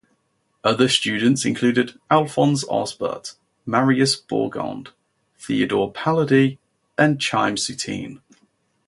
Other students included Alphonse Osbert, Marius Borgeaud, Theodor Pallady, and Chaim Soutine.